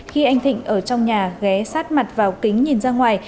khi anh thịnh ở trong nhà ghé sát mặt vào kính nhìn ra ngoài